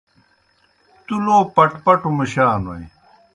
تُوْ لو پَٹپَٹوْ مُشا نوئے۔